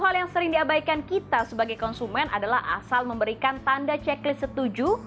hal yang sering diabaikan kita sebagai konsumen adalah asal memberikan tanda checklist setuju